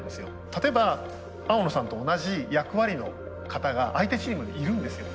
例えば青野さんと同じ役割の方が相手チームにいるんですよ絶対に。